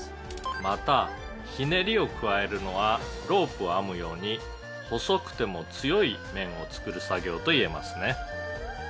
「またひねりを加えるのはロープを編むように細くても強い麺を作る作業といえますね」